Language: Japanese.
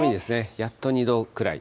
やっと２度くらい。